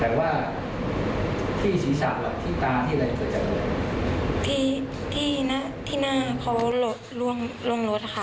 หมายว่าที่ชีชาปหลักที่ตาที่อะไรเกิดจากด้วยที่ที่หน้าพอลงรถค่ะ